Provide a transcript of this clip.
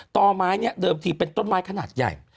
ต่อไม้เนี่ยเดิมทีเป็นต้นไม้ขนาดใหญ่